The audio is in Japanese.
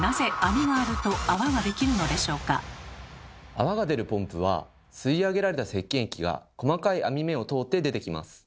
では泡が出るポンプは吸い上げられたせっけん液が細かい網目を通って出てきます。